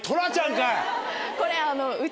これ。